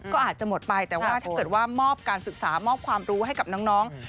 ก็อาจจะหมดไปแต่ว่าถ้าเกิดว่ามอบการศึกษามอบความรู้ให้กับน้อง